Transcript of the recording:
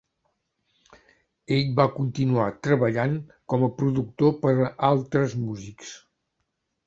Ell va continuar treballant com a productor per a altres músics.